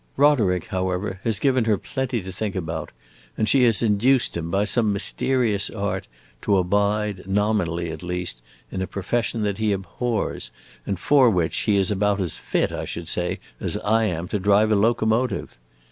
Roderick, however, has given her plenty to think about, and she has induced him, by some mysterious art, to abide, nominally at least, in a profession that he abhors, and for which he is about as fit, I should say, as I am to drive a locomotive.